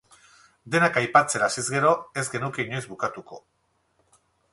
Denak aipatzen hasiz gero, ez genuke inoiz bukatuko.